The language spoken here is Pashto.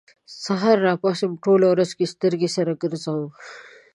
سهار راپاڅم، ټوله ورځ کې سترګې سرې ګرځوم